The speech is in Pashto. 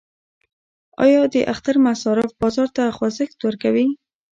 آیا د اختر مصارف بازار ته خوځښت ورکوي؟